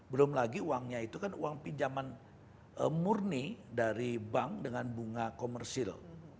belum lagi uangnya itu kan uang pinjaman murni dari bank dengan bunga komersil